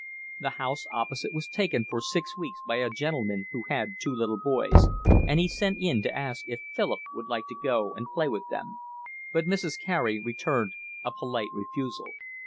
The house opposite was taken for six weeks by a gentleman who had two little boys, and he sent in to ask if Philip would like to go and play with them; but Mrs. Carey returned a polite refusal.